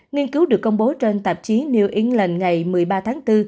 nghiên cứu được công bố trên tạp chí new york ngày một mươi ba tháng bốn